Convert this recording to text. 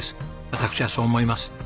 私はそう思います。